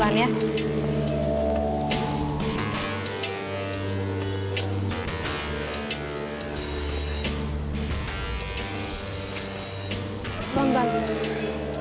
kayaknya gue udah berhasil bikin kinar